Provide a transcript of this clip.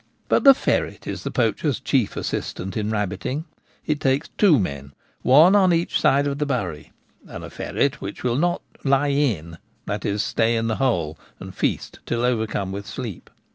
But the ferret is the poacher's chief assistant in rabbiting : it takes two men, one on each side of the ' bury/ and a ferret which will not ' lie in '—*>. stay in the hole and feast till overcome with sleep.